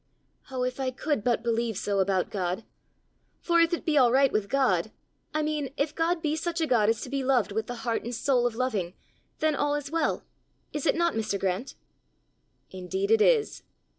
"Oh, if I could but believe so about God! For if it be all right with God I mean if God be such a God as to be loved with the heart and soul of loving, then all is well. Is it not, Mr. Grant?" "Indeed it is!